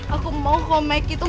ibu jangan nangis ya